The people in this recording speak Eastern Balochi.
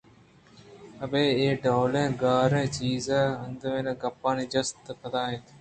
آبے اے ڈولیں گاریں ءُچیر اندیمیں گپانی جست ءُ پد ءَاِنت